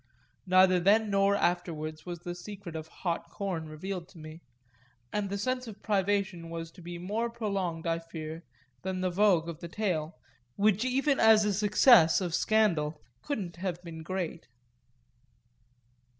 Neither then nor afterwards was the secret of "Hot Corn" revealed to me, and the sense of privation was to be more prolonged, I fear, than the vogue of the tale, which even as a success of scandal couldn't have been great.